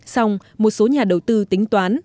xong một số nhà đầu tư tính toán